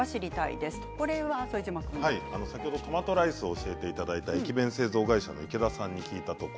トマトライスを教えていただいた駅弁製造会社の池田さんに聞きました。